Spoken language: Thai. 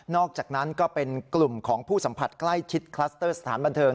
อกจากนั้นก็เป็นกลุ่มของผู้สัมผัสใกล้ชิดคลัสเตอร์สถานบันเทิง